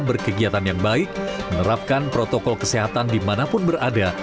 berkegiatan yang baik menerapkan protokol kesehatan dimanapun berada